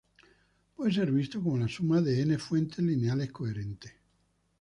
Puede ser visto como la suma de N fuentes lineales coherentes.